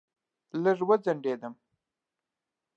لږ وځنډېدم.